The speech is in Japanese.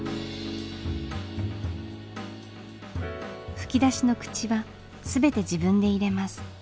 吹き出しの口は全て自分で入れます。